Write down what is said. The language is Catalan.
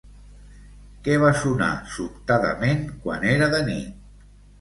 Què va sonar sobtadament quan era de nit?